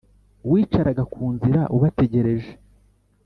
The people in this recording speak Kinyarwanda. Wicaraga ku nzira ubategereje